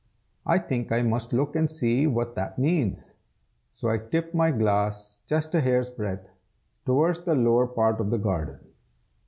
"I think I must look and see what that means." So I tipped my glass just a hair's breadth, towards the lower part of the garden.